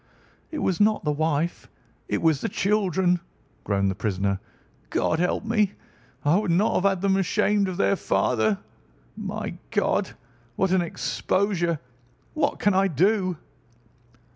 "It was not the wife; it was the children," groaned the prisoner. "God help me, I would not have them ashamed of their father. My God! What an exposure! What can I do?"